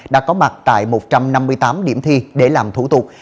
đã có mặt tại một trăm năm mươi tám điểm thi để làm thủ tục